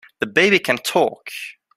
The baby can TALK!